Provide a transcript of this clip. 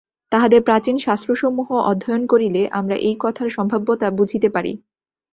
তাঁহাদের প্রাচীন শাস্ত্রসমূহ অধ্যয়ন করিলে আমরা এই কথার সম্ভাব্যতা বুঝিতে পারি।